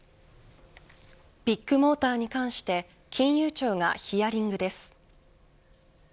ビッグモーターに関して金融庁がヒアリングです。